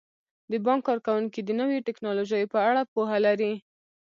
د بانک کارکوونکي د نویو ټیکنالوژیو په اړه پوهه لري.